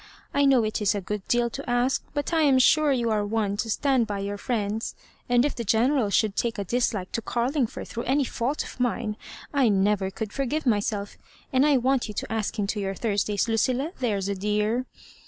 I know it is a good deal to ask ; but I am sure you are one to stand by your friends ; and if the General should take a dislike to Carlingford through any fault of mine, I never could forgive myself; and I want yott to ask him to your Thursdays, Lucilla — there's a dear."